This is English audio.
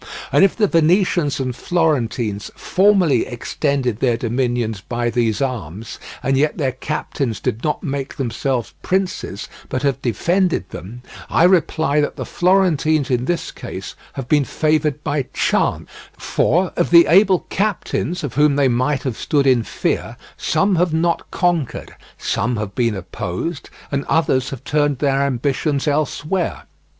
And if the Venetians and Florentines formerly extended their dominions by these arms, and yet their captains did not make themselves princes, but have defended them, I reply that the Florentines in this case have been favoured by chance, for of the able captains, of whom they might have stood in fear, some have not conquered, some have been opposed, and others have turned their ambitions elsewhere.